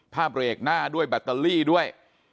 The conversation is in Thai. เบรกหน้าด้วยแบตเตอรี่ด้วย